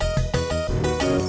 ya ada tiga orang